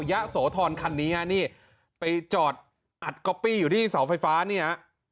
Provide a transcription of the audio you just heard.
ยะโสธรคันนี้แหวะไปจอดก็ปปี้อยู่ที่เสาไฟฟ้าเนี่ย